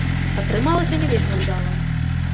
Атрымалася не вельмі ўдала.